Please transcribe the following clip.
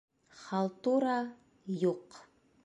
Халтура - юҡ.